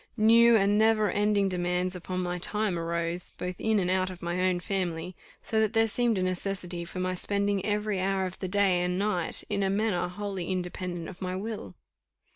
New and never ending demands upon my time arose, both in and out of my own family, so that there seemed a necessity for my spending every hour of the day and night in a manner wholly independent of my will.